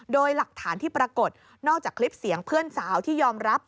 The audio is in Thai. โดยหลักฐานที่ปรากฏนอกจากคลิปเสียงเพื่อนสาวที่ยอมรับ